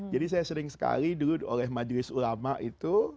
jadi saya sering sekali dulu oleh majelis ulama itu